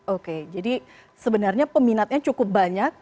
oke jadi sebenarnya peminatnya cukup banyak